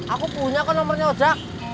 aku punya kan nomernya ojak